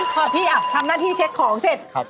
พอพี่ทำหน้าที่เช็คของเสร็จ